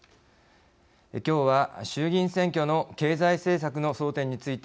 きょうは衆議院選挙の経済政策の争点について